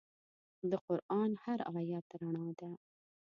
د قرآن هر آیت رڼا ده.